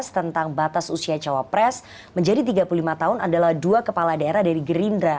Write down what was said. tentang batas usia cawapres menjadi tiga puluh lima tahun adalah dua kepala daerah dari gerindra